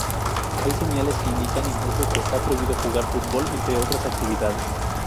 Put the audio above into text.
Hay señales que indican incluso que está prohibido jugar fútbol, entre otras actividades.